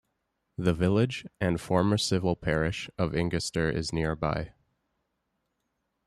The village, and former civil parish, of Ingestre is nearby.